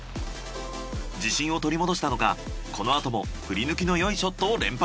自信を取り戻したのかこのあとも振り抜きのよいショットを連発。